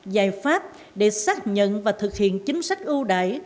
giải pháp để xác nhận và thực hiện chính sách ưu đại